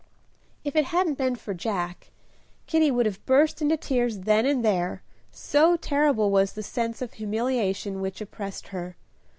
If it hadn't been for Jack, Kitty would have burst into tears then and there, so terrible was the sense of humiliation which oppressed her.